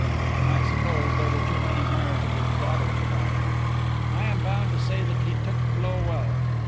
I suppose there were too many marriageable daughters about! I am bound to say that he took the blow well.